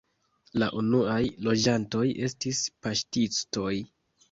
La unuaj loĝantoj estis paŝtistoj.